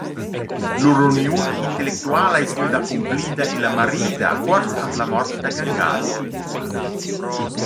Lur uniun intellectuala es gnüda accumplida illa marida cuort ant la mort da Gangale.